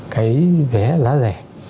cái vé giá rẻ